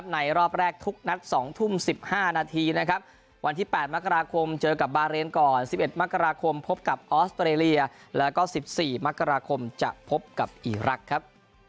รอบแรกทุกนัด๒ทุ่ม๑๕นาทีนะครับวันที่๘มกราคมเจอกับบาเรนก่อน๑๑มกราคมพบกับออสเตรเลียแล้วก็๑๔มกราคมจะพบกับอีรักษ์ครับ